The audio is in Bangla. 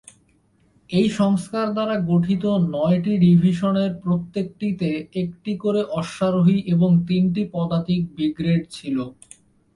এই সংস্কার দ্বারা গঠিত নয়টি ডিভিশনের প্রত্যেকটিতে একটি করে অশ্বারোহী এবং তিনটি পদাতিক ব্রিগেড ছিল।